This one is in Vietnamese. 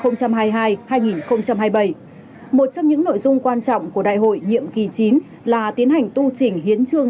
một trong những nội dung quan trọng của đại hội nhiệm kỳ chín là tiến hành tu chỉnh hiến chương